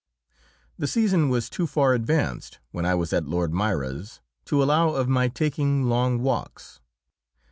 The season was too far advanced when I was at Lord Moira's to allow of my taking long walks.